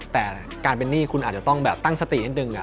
แต่การเป็นหนี้คุณอาจจะต้องแบบตั้งสตินิดนึง